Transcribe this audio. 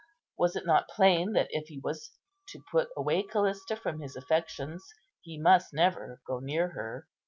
Was it not plain that if he was to put away Callista from his affections, he must never go near her?